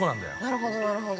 ◆なるほど、なるほど。